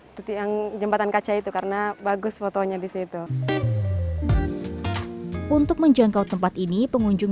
itu yang jembatan kaca itu karena bagus fotonya di situ untuk menjangkau tempat ini pengunjung